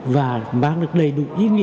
và mang được đầy đủ ý nghĩa